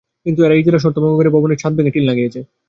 কিন্তু এরা ইজারার শর্ত ভঙ্গ করে ভবনের ছাদ ভেঙে টিন লাগিয়েছে।